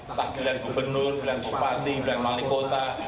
entah bilang gubernur bilang sepati bilang malikota